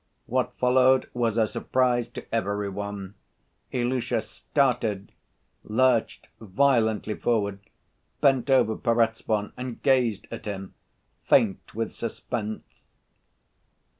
What followed was a surprise to every one: Ilusha started, lurched violently forward, bent over Perezvon and gazed at him, faint with suspense.